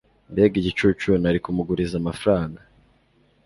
Mbega igicucu nari kumuguriza amafaranga.